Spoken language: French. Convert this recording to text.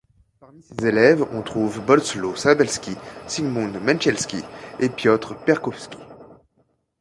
Parmi ses élèves, on trouve Bolesław Szabelski, Zygmunt Mycielski et Piotr Perkowski.